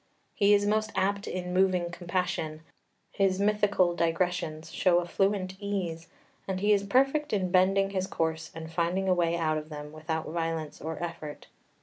He is most apt in moving compassion; his mythical digressions show a fluent ease, and he is perfect in bending his course and finding a way out of them without violence or effort.